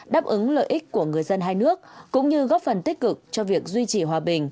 đáp ứng lợi ích của người dân hai nước cũng như góp phần tích cực cho việc duy trì hòa bình